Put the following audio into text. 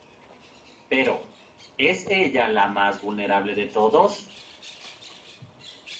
Pero, ¿es ella la más vulnerable de todos?